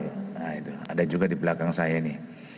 nah itu ada juga di belakang saya ini